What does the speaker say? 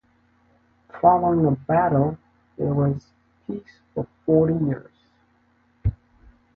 Following the battle, there was peace for forty years.